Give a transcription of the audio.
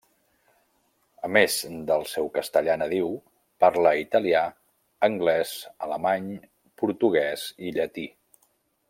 A més del seu Castellà nadiu, parla italià, anglès, alemany, portuguès i llatí.